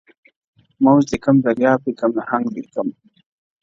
موج دي کم دریاب دي کم نهنګ دي کم--!